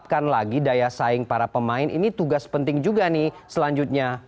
akan lagi daya saing para pemain ini tugas penting juga nih selanjutnya